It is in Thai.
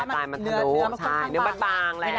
ปลายมันถูกเนื้อมันบางแล้ว